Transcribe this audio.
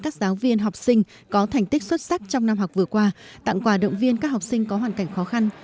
các giáo viên học sinh có thành tích xuất sắc trong năm học vừa qua tặng quà động viên các học sinh có hoàn cảnh khó khăn